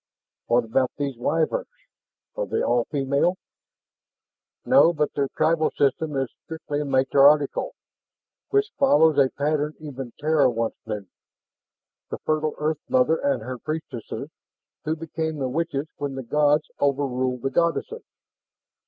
"What about these Wyverns? Are they all female?" "No, but their tribal system is strictly matriarchal, which follows a pattern even Terra once knew: the fertile earth mother and her priestesses, who became the witches when the gods overruled the goddesses.